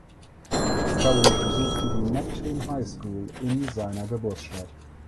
Curry besuchte die Neptune High School in seiner Geburtsstadt.